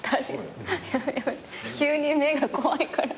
急に目が怖いから。